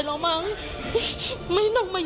ดีกว่าจะได้ตัวคนร้าย